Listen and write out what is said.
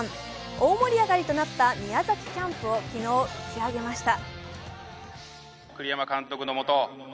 大盛り上がりとなった宮崎キャンプを昨日、打ち上げました。